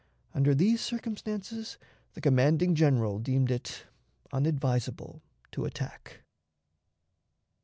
Under these circumstances the commanding General deemed it unadvisable to attack.